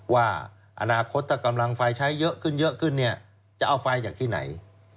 ว่าอนาคตถ้ากำลังไฟใช้เยอะขึ้นจะเอาไฟจากที่ไหน